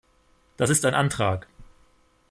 Das ist ein Antrag.